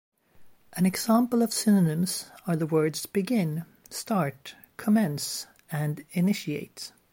An example of synonyms are the words "begin", "start", "commence", and "initiate".